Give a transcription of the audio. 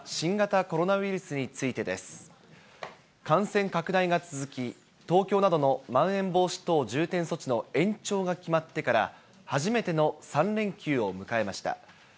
感染拡大が続き、東京などのまん延防止等重点措置の延長が決まってから初めての３連休を迎えました。